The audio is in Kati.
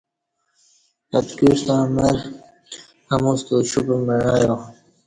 اتکیوستݩع مر امُوستہ اُوشُپ مع ایا۔